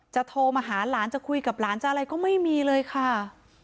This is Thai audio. โทรมาหาหลานจะคุยกับหลานจะอะไรก็ไม่มีเลยค่ะ